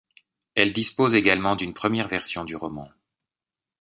Elle dispose également d'une première version du roman.